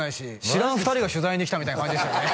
知らん２人が取材に来たみたいな感じでしたよね